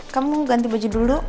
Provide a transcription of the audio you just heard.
kamu ganti baju dulu